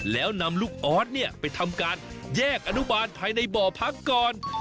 แล้วนำลูกออสเนี่ยไปทำการแยกอนุบาลภายในบ่อพักก่อน